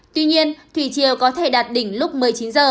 tuy nhiên thủy triều có thể đạt đỉnh lúc một mươi chín h